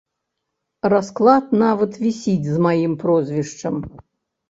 Расклад нават вісіць з маім прозвішчам.